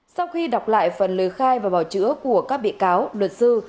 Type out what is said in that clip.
sau khi đọc lại phần lời khai và bảo chữa của các bị cáo luật sư